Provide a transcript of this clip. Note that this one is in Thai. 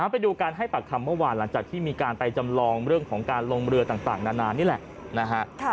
ไปดูการให้ปากคำเมื่อวานหลังจากที่มีการไปจำลองเรื่องของการลงเรือต่างนานนี่แหละนะฮะ